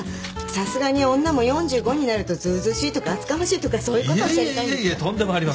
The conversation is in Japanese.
さすがに女も４５になるとずうずうしいとか厚かましいとかそういうことおっしゃりたい？